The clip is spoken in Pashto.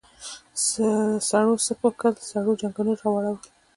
سړو څه وکل سړو جنګونه راوړل.